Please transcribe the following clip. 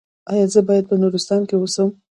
ایا زه باید په نورستان کې اوسم؟